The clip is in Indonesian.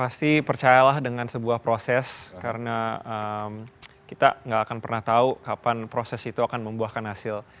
pasti percayalah dengan sebuah proses karena kita gak akan pernah tahu kapan proses itu akan membuahkan hasil